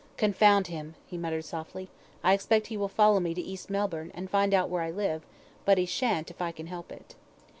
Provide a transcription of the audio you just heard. "Confound him!" he muttered softly. "I expect he will follow me to East Melbourne, and find out where I live, but he shan't if I can help it."